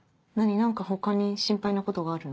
何か他に心配なことがあるの？